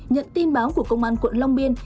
nhận tin báo của công an quận long biên